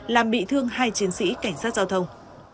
làm bị thương hai chiến sĩ cảnh sát giao thông